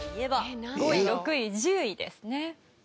５位６位１０位ですね。